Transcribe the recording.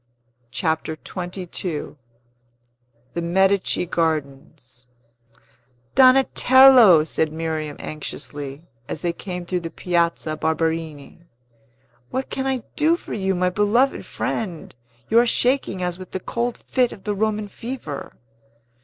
CHAPTER XXII THE MEDICI GARDENS "Donatello," said Miriam anxiously, as they came through the Piazza Barberini, "what can I do for you, my beloved friend? You are shaking as with the cold fit of the Roman fever."